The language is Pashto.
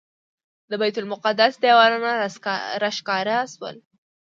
د بیت المقدس دیوالونه راښکاره شول.